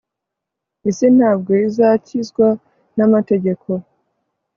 isi ntabwo izakizwa n amategeko